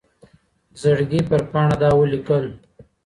زړګي پر پاڼــه دا ولـيكل